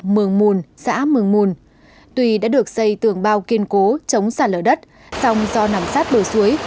mường mùn xã mường mùn tuy đã được xây tường bao kiên cố chống sạt lở đất song do nằm sát bờ suối